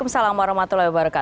salam hormat kami semua